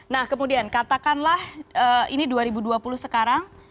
nah kemudian katakanlah ini dua ribu dua puluh sekarang